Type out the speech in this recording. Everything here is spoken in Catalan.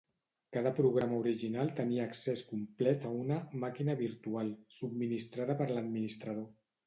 Cada programa original tenia accés complet a una "màquina virtual" subministrada per l'administrador.